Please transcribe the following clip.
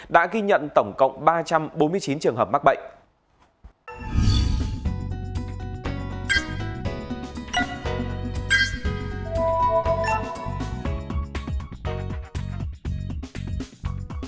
đã ghi nhận tổng cộng ba trăm bốn mươi chín trường hợp mắc bệnh